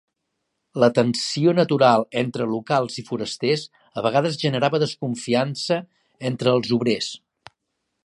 La tensió natural entre locals i forasters a vegades generava desconfiança entre els obrers.